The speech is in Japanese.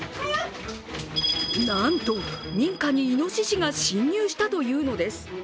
なんと、民家にいのししが侵入したというのです。